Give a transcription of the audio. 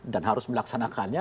dan harus melaksanakannya